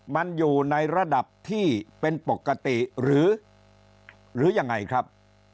มันอยู่ในระดับที่เป็นปกติหรือยังไงครับ